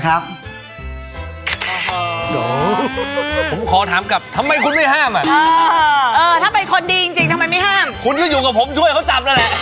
คุณเป็นคนซีเรียสใช่ป่ะ